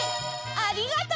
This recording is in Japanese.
ありがとう！